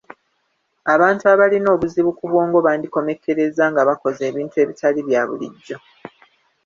Abantu abalina obuzibu ku bwongo bandikomekkereza nga bakoze ebintu ebitali bya bulijjo.